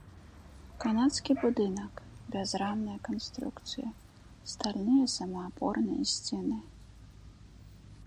Канадскі будынак, бязрамная канструкцыя, стальныя самаапорныя сцены.